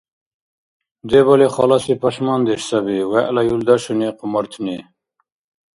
Дебали халаси пашмандеш саби вегӀла юлдашуни хъумартни.